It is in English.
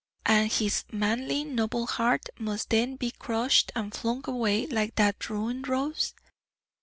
And his manly, noble heart must then be crushed and flung away like that ruined rose?